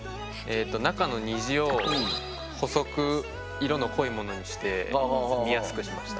中の虹を細く色の濃いものにして見やすくしました。